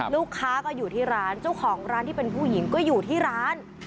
ลูกค้าก็อยู่ที่ร้านเจ้าของร้านที่เป็นผู้หญิงก็อยู่ที่ร้าน